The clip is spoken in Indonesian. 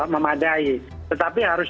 memadai tetapi harus